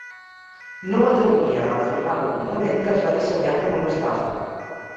No m’atreviria a afirmar rotundament que es va dissenyar com una estafa.